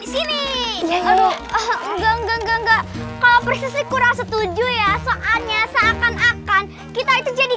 di sini enggak nggak nggak nggak kalau proses kurang setuju ya soalnya seakan akan kita itu jadi